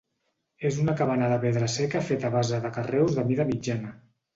És una cabana de pedra seca feta a base de carreus de mida mitjana.